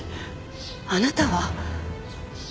あなたは。